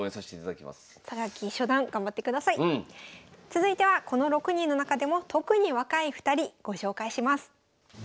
続いてはこの６人の中でも特に若い２人ご紹介します。